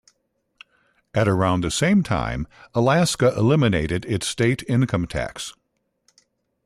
At around the same time, Alaska eliminated its state income tax.